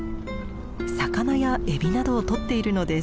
魚やエビなどを捕っているのです。